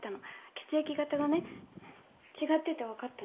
血液型がね違ってて分かったの。